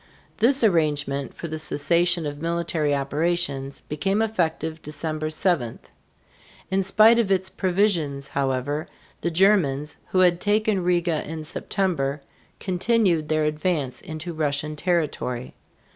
This arrangement for the cessation of military operations became effective December 7. In spite of its provisions, however, the Germans, who had taken Riga (ree´ga) in September, continued their advance into Russian territory.